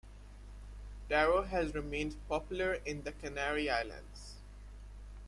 Taro has remained popular in the Canary Islands.